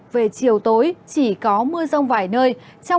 về chiều tối chỉ có mưa rông vài nơi